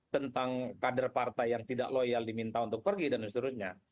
tentang kader partai yang tidak loyal diminta untuk pergi dan seterusnya